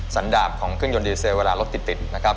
ดาบของเครื่องยนต์ดีเซลเวลารถติดนะครับ